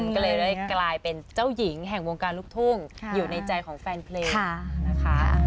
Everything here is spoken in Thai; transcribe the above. ก็เลยได้กลายเป็นเจ้าหญิงแห่งวงการลูกทุ่งอยู่ในใจของแฟนเพลงนะคะ